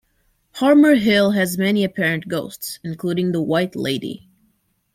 Harmer Hill has many apparent Ghosts, including the "White Lady".